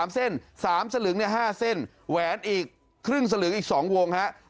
๓เส้น๓สลึง๕เส้นแหวนอีกครึ่งสลึงอีก๒วงครับ